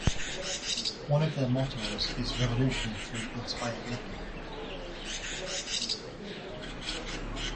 One of their mottos is Revolution through inspired living.